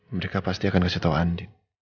mereka pasti akan kasih tahu andin